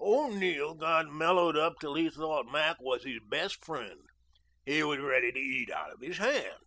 "O'Neill got mellowed up till he thought Mac was his best friend. He was ready to eat out of his hand.